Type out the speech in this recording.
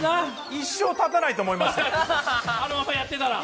一生立たないと思いましたね。